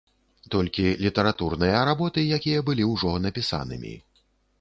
Толькі літаратурныя работы, якія былі ўжо напісанымі.